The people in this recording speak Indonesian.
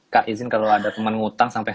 kak izin kalau ada teman ngutang sampai